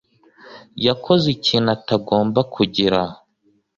yakoze ikintu atagomba kugira